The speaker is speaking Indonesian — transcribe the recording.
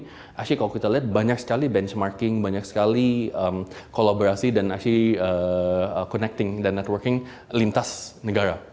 tapi kalau kita lihat banyak sekali benchmarking banyak sekali kolaborasi dan asli connecting dan networking lintas negara